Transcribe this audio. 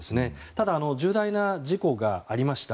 ただ、重大な事故がありました。